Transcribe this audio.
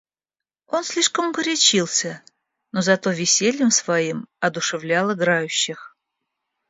Он слишком горячился, но зато весельем своим одушевлял играющих.